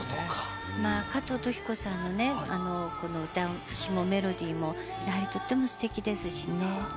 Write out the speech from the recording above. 加藤登紀子さんの歌詞もメロディーもとってもすてきですしね。